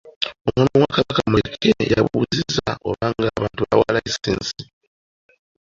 Omwami wa Kabaka Muleke yabuuzizza oba nga abantu bawa layisinsi.